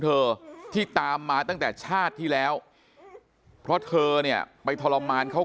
เธอที่ตามมาตั้งแต่ชาติที่แล้วเพราะเธอเนี่ยไปทรมานเขา